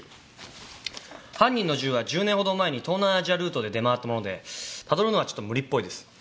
犯人の銃は１０年前ほど前に東南アジアルートで出回ったものでたどるのはちょっと無理っぽいです。